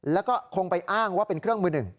แล้วก็คงไปอ้างว่าเป็นเครื่องมือหนึ่ง